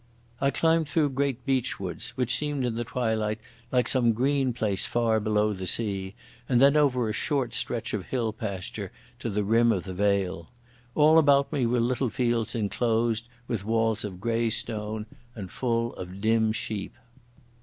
I climbed through great beechwoods, which seemed in the twilight like some green place far below the sea, and then over a short stretch of hill pasture to the rim of the vale. All about me were little fields enclosed with walls of grey stone and full of dim sheep.